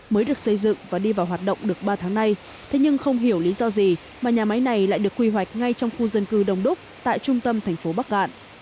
mới được xây dựng và đi vào hoạt động được ba tháng nay thế nhưng không hiểu lý do gì mà nhà máy này lại được quy hoạch ngay trong khu dân cư đông đúc tại trung tâm thành phố bắc cạn